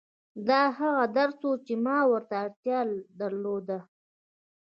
دا هغه درس و چې ما ورته اړتيا درلوده.